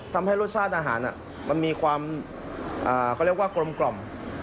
ทำให้รสชาติอาหารมันมีความกลมกล่อม